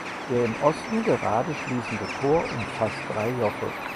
Der im Osten gerade schließende Chor umfasst drei Joche.